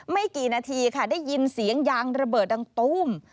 ไม่กี่นาทีค่ะได้ยินเสียงยางระเบิดดังตู้ม